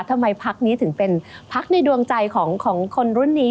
พักนี้ถึงเป็นพักในดวงใจของคนรุ่นนี้